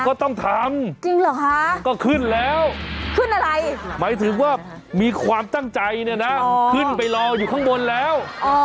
ก็ต้องทำก็ขึ้นแล้วหมายถึงว่ามีความตั้งใจเนี่ยนะขึ้นไปรออยู่ข้างบนแล้ว